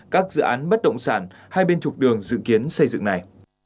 hay bên trục đường dự kiến xây dựng này